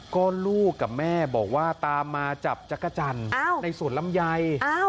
ก็ลูกกับแม่บอกว่าตามมาจับจักรจันทร์ในสวนลำไย